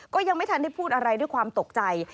ก็ยังไม่ทันได้พูดอะไรด้วยความตกใจ